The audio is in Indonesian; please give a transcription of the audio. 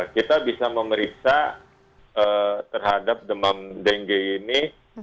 kita bisa memeriksa terhadap demam dengue ini